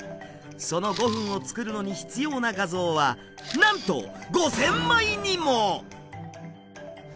その５分を作るのに必要な画像はなんと５，０００枚にも！